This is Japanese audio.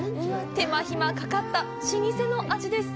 手間暇かかった老舗の味です。